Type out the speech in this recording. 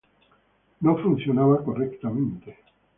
No funcionaba correctamente.